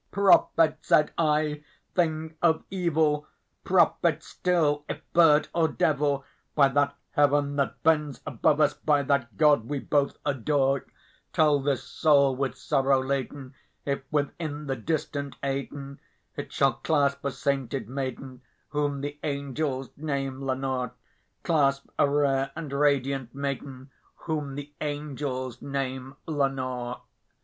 "Prophet!" said I, "thing of evil prophet still, if bird or devil! By that Heaven that bends above us by that God we both adore Tell this soul with sorrow laden if, within the distant Aidenn, It shall clasp a sainted maiden whom the angels name Lenore Clasp a rare and radiant maiden whom the angels name Lenore."